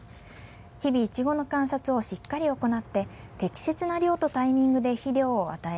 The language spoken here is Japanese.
日々いちごの観察をしっかり行って適切な量とタイミングで肥料を与え